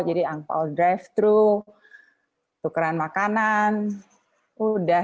jadi angpao drive thru tukeran makanan udah